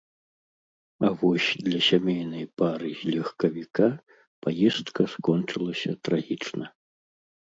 А вось для сямейнай пары з легкавіка паездка скончылася трагічна.